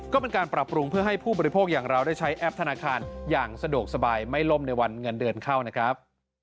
ก็เป็นการปรับปรุงเพื่อให้ผู้บริโภคอย่างเราได้ใช้แอปธนาคารอย่างสะดวกสบายไม่ล่มในวันเงินเดือนเข้านะครับ